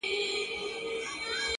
اروا مي مستانه لکه منصور دی د ژوند!